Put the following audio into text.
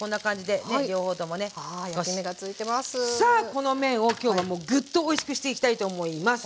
この麺をきょうはもうグッとおいしくしていきたいと思います。